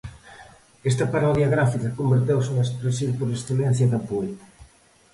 Esta parodia gráfica converteuse na expresión por excelencia da poeta.